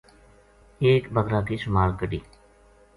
ایک بکر ا کی سُمہال کَڈھی